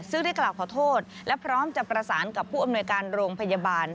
ซึ่งได้กล่าวขอโทษและพร้อมจะประสานกับผู้อำนวยการโรงพยาบาล